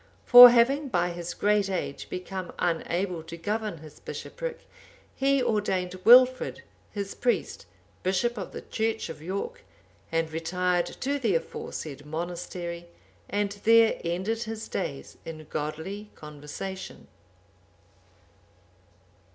For having, by his great age, become unable to govern his bishopric, he ordained Wilfrid,(793) his priest, bishop of the church of York, and retired to the aforesaid monastery, and there ended his days in godly conversation.